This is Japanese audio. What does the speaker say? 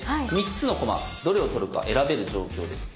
３つの駒どれを取るか選べる状況です。